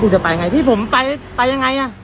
พี่จะไปยังไงผมไปยังไง